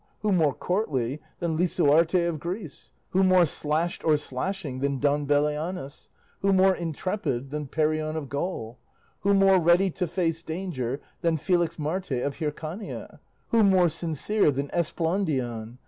Who more courtly than Lisuarte of Greece? Who more slashed or slashing than Don Belianis? Who more intrepid than Perion of Gaul? Who more ready to face danger than Felixmarte of Hircania? Who more sincere than Esplandian?